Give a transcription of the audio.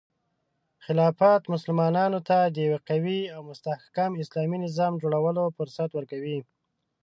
خلافت مسلمانانو ته د یو قوي او مستحکم اسلامي نظام جوړولو فرصت ورکوي.